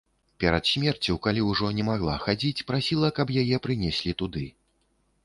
Перад смерцю, калі ўжо не магла хадзіць, прасіла, каб яе прынеслі туды.